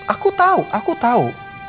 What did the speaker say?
aku tahu aku tahu